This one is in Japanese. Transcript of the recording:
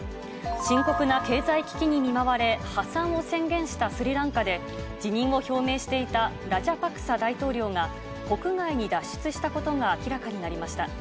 深刻な経済危機に見舞われ、破産を宣言したスリランカで、辞任を表明していたラジャパクサ大統領が国外に脱出したことが明らかになりました。